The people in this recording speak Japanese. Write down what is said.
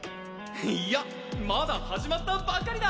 いやまだ始まったばかりだ！